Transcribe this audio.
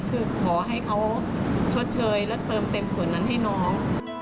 คือขอให้เขาชดเชยและเติมเต็มส่วนนั้นให้น้อง